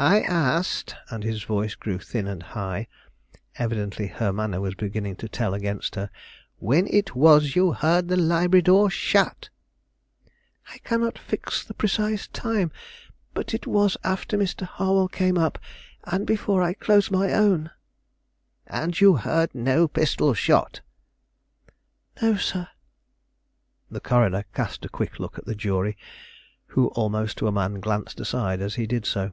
"I asked," and his voice grew thin and high, evidently her manner was beginning to tell against her, "when it was you heard the library door shut?" "I cannot fix the precise time, but it was after Mr. Harwell came up, and before I closed my own." "And you heard no pistol shot?" "No, sir." The coroner cast a quick look at the jury, who almost to a man glanced aside as he did so.